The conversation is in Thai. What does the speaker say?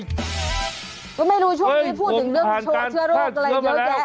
ก็ไม่รู้ช่วงนี้พูดถึงเรื่องโชว์เชื้อโรคอะไรเยอะแยะ